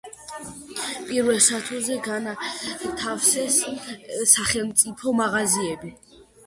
პირველ სართულზე განათავსეს სახელმწიფო მაღაზიები.